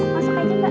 masuk aja mbak